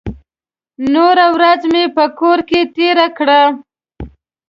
نوره ورځ مې په کور کې تېره کړه.